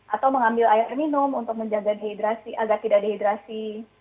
atau mengambil air minum untuk menjaga dehidrasi agar tidak dehidrasi